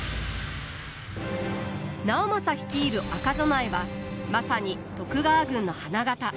直政率いる赤備えはまさに徳川軍の花形。